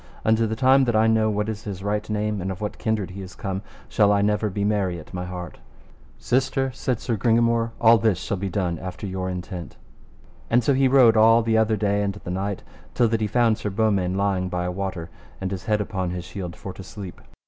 Unto the time that I know what is his right name, and of what kindred he is come, shall I never be merry at my heart. Sister, said Sir Gringamore, all this shall be done after your intent. And so he rode all the other day and the night till that he found Sir Beaumains lying by a water, and his head upon his shield, for to sleep.